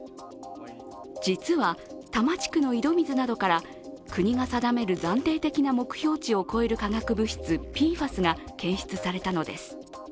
実は、多摩地区の井戸水などから国が定める暫定的な目標値を超える化学物質、ＰＦＡＳが検出されたのです